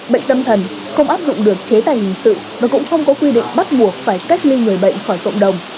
bệnh tâm thần không áp dụng được chế tài hình sự mà cũng không có quy định bắt buộc phải cách ly người bệnh khỏi cộng đồng